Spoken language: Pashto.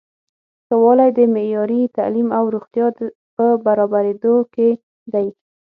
ښه والی د معیاري تعلیم او روغتیا په برابریدو کې دی.